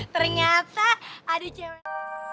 ternyata aduh cewek